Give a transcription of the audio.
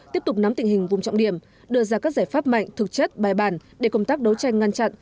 tiếp tục nắm tình hình vùng trọng điểm đưa ra các giải pháp mạnh thực chất bài bản để công tác đấu tranh ngăn chặn